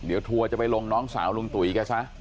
เดี๋ยวทัวร์จะไปลงน้องสาวลุงตุ๋ยแกซะ